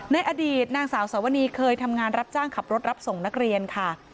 ในอดีตนางสาวสวนีเคยทำงานรับจ้างขับรถรับส่งนักเรียนค่ะ